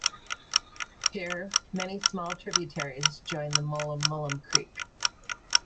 Here many small tributaries join the Mullum Mullum Creek.